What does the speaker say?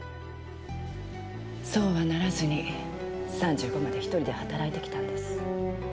そうはならずに３５まで一人で働いてきたんです。